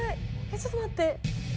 ちょっと待って！